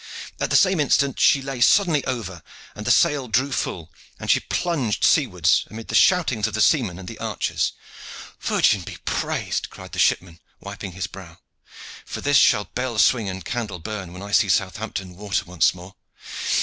At the same instant she lay suddenly over, the sail drew full, and she plunged seawards amid the shoutings of the seamen and the archers. "The Virgin be praised!" cried the shipman, wiping his brow. "For this shall bell swing and candle burn when I see Southampton Water once more.